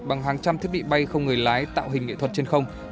bằng hàng trăm thiết bị bay không người lái tạo hình nghệ thuật trên không